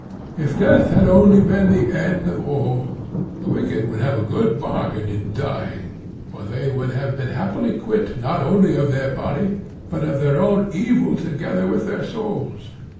If death had only been the end of all, the wicked would have had a good bargain in dying, for they would have been happily quit not only of their body, but of their own evil together with their souls.